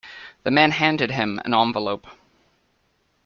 The man handed him an envelope.